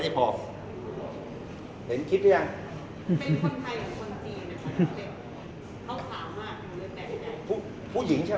มันเป็นสิ่งที่เราไม่รู้สึกว่า